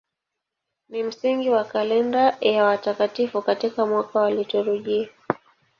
Ni msingi wa kalenda ya watakatifu katika mwaka wa liturujia.